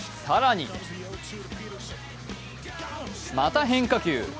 更に、また変化球。